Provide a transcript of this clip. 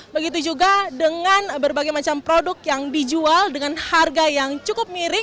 begitu juga dengan berbagai macam produk yang dijual dengan harga yang cukup miring